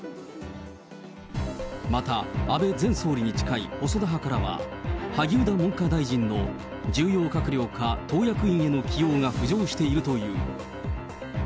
また安倍前総理に近い細田派からは、萩生田文科大臣の重要閣僚か、党役員への起用が浮上しているという。